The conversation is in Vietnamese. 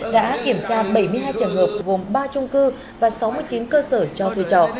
đã kiểm tra bảy mươi hai trường hợp gồm ba trung cư và sáu mươi chín cơ sở cho thuê trọ